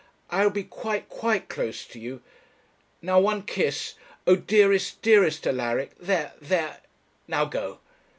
I will be quite, quite close to you. Now, one kiss oh, dearest, dearest Alaric there there now go.'